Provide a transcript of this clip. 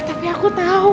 eh tapi aku tau